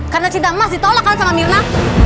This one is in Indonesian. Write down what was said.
karena cinta mas ditolakkan sama mirna